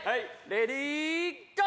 「レディーゴー！」